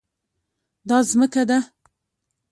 دا ځمکه ده